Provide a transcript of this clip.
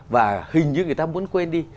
và hình như người ta muốn quên đi